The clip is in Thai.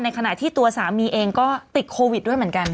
ขณะที่ตัวสามีเองก็ติดโควิดด้วยเหมือนกัน